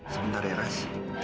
sebentar ya res